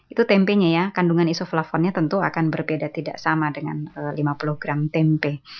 itu tempenya ya kandungan isoflavonnya tentu akan berbeda tidak sama dengan lima puluh gram tempe